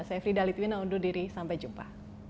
saya frida litwina undur diri sampai jumpa